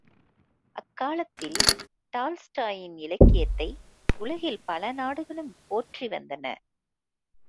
அக்காலத்தில் டால்ஸ்டாயின் இலக்கியத்தை உலகில் பல நாடுகளும் போற்றி வந்தன.